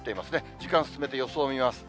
時間進めて予想見ます。